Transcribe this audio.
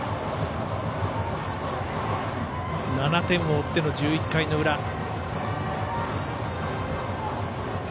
７点を追っての１１回の裏。